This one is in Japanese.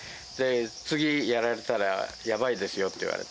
次やられたら、やばいですよって言われて。